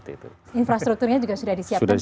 infrastrukturnya juga sudah disiapkan pak sekarang